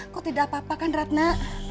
kok tidak apa apa kan ratna